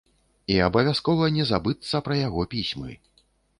І абавязкова не забыцца пра яго пісьмы.